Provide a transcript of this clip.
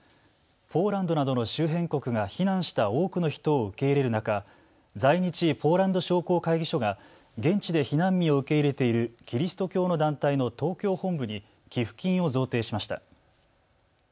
ポーランドなどの周辺国が避難した多くの人を受け入れる中、在日ポーランド商工会議所が現地で避難民を受け入れているキリスト教の団体の東京本部に寄付金を贈呈しました。